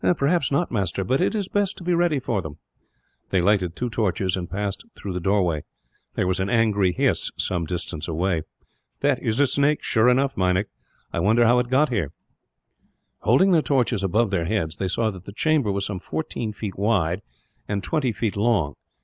"Perhaps not, master, but it is best to be ready for them." They lighted two torches, and passed through the doorway. There was an angry hiss, some distance away. "That is a snake, sure enough, Meinik. I wonder how it got here." Holding their torches above their heads, they saw that the chamber was some fourteen feet wide and twenty long.